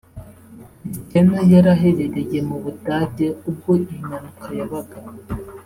Cristiano yari aherereye mu Budage ubwo iyi mpanuka yabaga